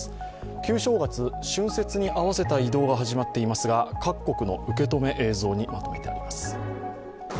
旧正月、春節に合わせた移動が始まっていますが、各国の受け止め、映像にまとめてあります。